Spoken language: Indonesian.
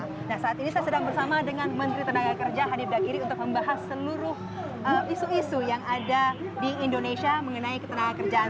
nah saat ini saya sedang bersama dengan menteri tenaga kerja hanif dakiri untuk membahas seluruh isu isu yang ada di indonesia mengenai ketenaga kerjaan